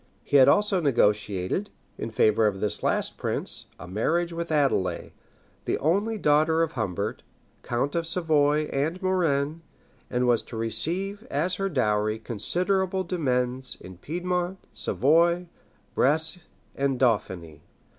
He had also negotiated, in favor of this last prince, a marriage with Adelais, the only daughter of Humbert, count of Savoy and Maurienne; and was to receive as her dowry considerable demesnes in Piedmont, Savoy, Bresse, and Dauphiny.